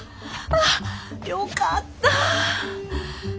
あっよかったぁ。